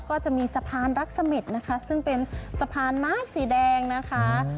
ก็จะมีสะพานรักษมิตนะคะซึ่งเป็นสะพานไม้สีแดงนะคะ